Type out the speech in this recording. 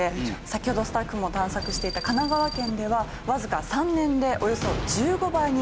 先ほどスタッフも探索していた神奈川県ではわずか３年でおよそ１５倍に。